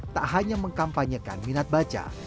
tak hanya mengkampanyekan minat baca